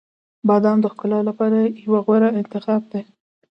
• بادام د ښکلا لپاره یو غوره انتخاب دی.